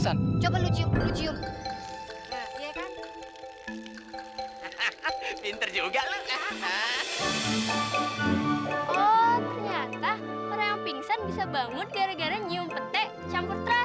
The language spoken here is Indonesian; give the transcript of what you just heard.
sampai jumpa di video selanjutnya